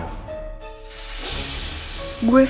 aku pergi nanti sama pak rafael